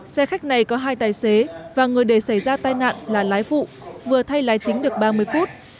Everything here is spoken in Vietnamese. xe khách này có hai tài xế và người để xảy ra tai nạn là lái phụ vừa thay lái chính được ba mươi phút